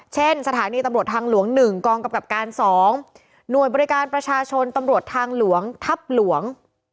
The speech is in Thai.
สถานีตำรวจทางหลวง๑กองกำกับการ๒หน่วยบริการประชาชนตำรวจทางหลวงทัพหลวง